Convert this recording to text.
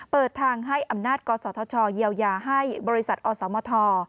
เปิดทางให้อำนาจกศธชเยียวยาให้บริษัทอสมท